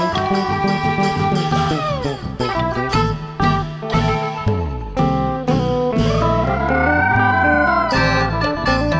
โชว์ฮีตะโครน